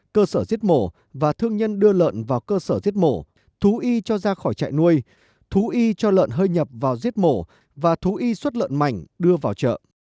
cơ sở giết mổ và thương nhân đưa lợn vào cơ sở giết mổ thú y cho ra khỏi trại nuôi thú y cho lợn hơi nhập vào giết mổ và thú y xuất lợn mảnh đưa vào chợ